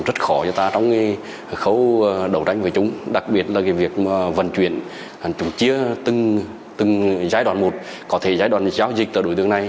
chúng thay đổi cho ta trong khâu đấu tranh với chúng đặc biệt là việc vận chuyển chúng chia từng giai đoạn một có thể giai đoạn giao dịch từ đối tượng này